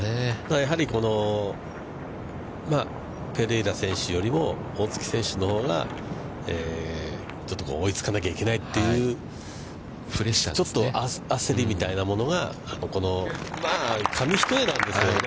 やはり、ペレイラ選手よりも大槻選手のほうが、追いつかなきゃいけないという、ちょっと焦りみたいなものが紙一重なんですけどね。